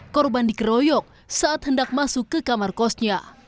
korban dikeroyok saat hendak masuk ke kamar kosnya